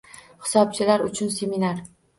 Hisobchilar uchun seminar